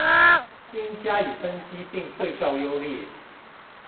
應加以分析並對照優劣